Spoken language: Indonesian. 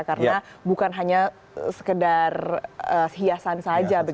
karena bukan hanya sekedar hiasan saja